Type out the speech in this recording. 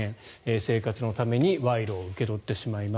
生活のために賄賂を受け取ってしまいます